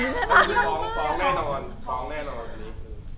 ฟ้องแน่นอน